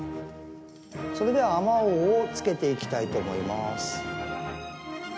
それではあまおうをつけていきたいと思います。